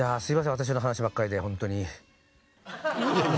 私の話ばっかりでほんとに。